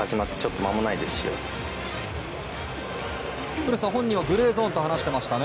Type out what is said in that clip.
古田さん本人はグレーゾーンと話していましたね。